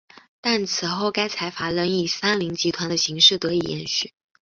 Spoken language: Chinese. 但此后该财阀仍以三菱集团的形式得以延续。